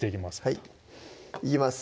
はいいきます